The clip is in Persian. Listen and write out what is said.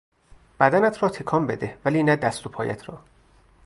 بدنت را تکان بده ولی نه دست و پایت را.